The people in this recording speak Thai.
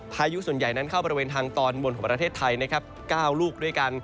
พายุส่วนใหญ่เข้าบริเวณทางตอนบนของประเทศไทย๙ลูกด้วยกัน